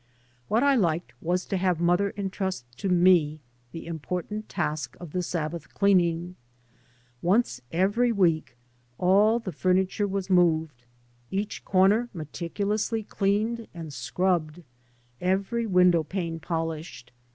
What I liked was to have mother entrust to me the important task of the Sabbath cleaning. Once every week all the furniture " was moved, each corner meticulously cleaned and scrubbed, every window pane polished.